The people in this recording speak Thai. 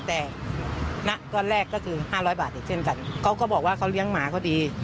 แต่ก่อนแรกก็คือ๕๐๐บาทเห็นเช่นกันเค้าก็บอกว่าเค้าเลี้ยงหมาก็ดี